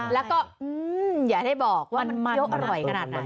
แล้วก็อย่าได้บอกว่ามันเคี้ยวอร่อยขนาดไหน